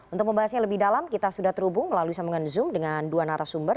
untuk membahasnya lebih dalam kita sudah terhubung melalui sambungan zoom dengan dua narasumber